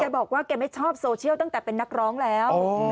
บอกว่าแกไม่ชอบโซเชียลตั้งแต่เป็นนักร้องแล้ว